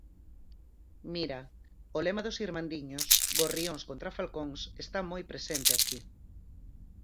Mira, o lema dos irmandiños, "gorrións contra falcóns", está moi presente aquí.